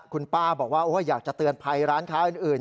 คุณป้าบอกว่าอยากจะเตือนภัยร้านค้าอื่น